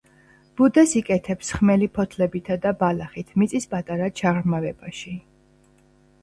ბუდეს იკეთებს ხმელი ფოთლებითა და ბალახით მიწის პატარა ჩაღრმავებაში.